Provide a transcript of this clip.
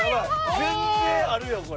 全然あるよこれ。